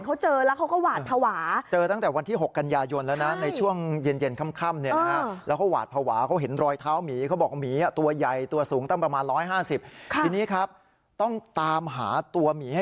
เขาเจอแล้วเขาก็หวาดภาวะ